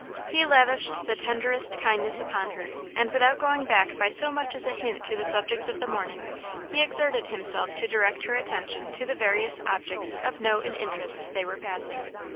He lavished the tenderest kindness upon her, and without going back by so much as a hint to the subjects of the morning, he exerted himself to direct her attention to the various objects of note and interest they were passing.